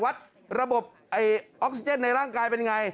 วัดระบบออกซิเจนในร่างกายเป็นไง